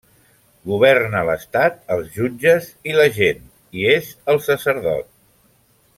Governa l'estat, els jutges i la gent, i és el sacerdot.